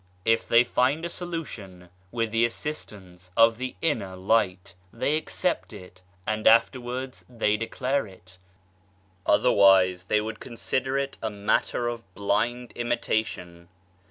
If they find a solution with the assistance of the Inner Light, they accept it, and afterwards they declare it : otherwise they would consider it a matter of blind imitation.